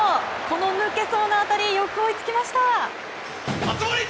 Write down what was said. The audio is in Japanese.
この抜けそうな当たりよく追いつきました。